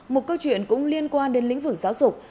một câu chuyện cũng liên quan đến lĩnh vực giáo dục